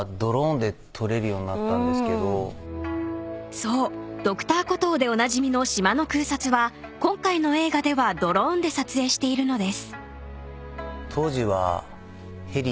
［そう『Ｄｒ．コトー』でおなじみの島の空撮は今回の映画ではドローンで撮影しているのです］